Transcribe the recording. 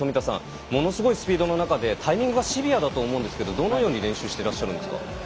ものすごいスピードの中でタイミングがシビアだと思うんですがどのように練習していますか？